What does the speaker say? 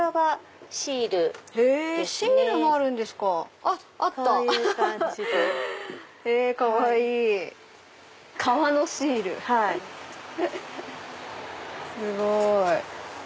すごい！